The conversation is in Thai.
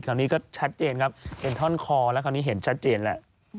คราวนี้ก็ชัดเจนครับเห็นท่อนคอแล้วคราวนี้เห็นชัดเจนแล้ว